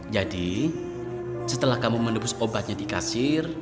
jadi setelah kamu menembus obatnya di kasir